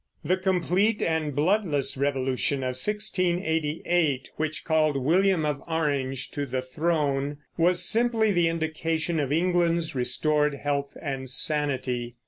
The complete and bloodless Revolution of 1688, which called William of Orange to the throne, was simply the indication of England's restored health and sanity.